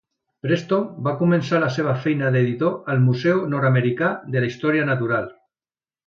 Preston va començar la seva feina d'editor al Museu nord-americà d'Història Natural.